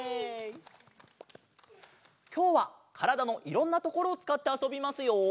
きょうはからだのいろんなところをつかってあそびますよ！